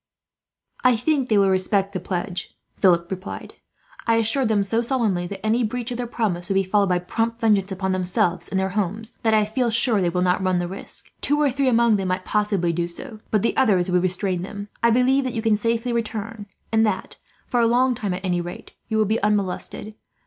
"I think they will respect the pledge," Philip replied. "I assured them, so solemnly, that any breach of their promises would be followed by prompt vengeance upon themselves and their homes, that I feel sure they will not run the risk. Two or three among them might possibly do so, but the others would restrain them. I believe that you can safely return; and that, for a long time, at any rate, you will be unmolested.